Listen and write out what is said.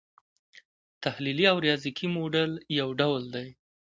تحلیلي او ریاضیکي موډل یو ډول دی.